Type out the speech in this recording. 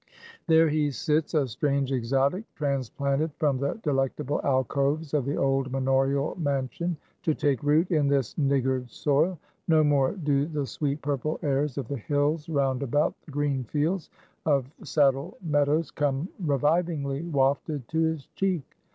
There he sits, a strange exotic, transplanted from the delectable alcoves of the old manorial mansion, to take root in this niggard soil. No more do the sweet purple airs of the hills round about the green fields of Saddle Meadows come revivingly wafted to his cheek.